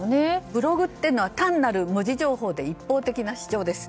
ブログっていうのは単なる文字情報で一方的な主張です。